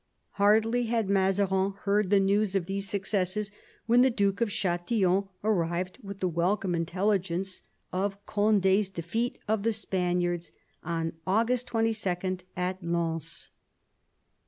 Hardly had Mazarin heard the news of these successes when the Duke of Ch4tillon arrived with the welcome intelligence of Condi's defeat of the Spaniards on August 22 at Lens.